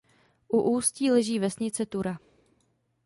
U ústí leží vesnice Tura.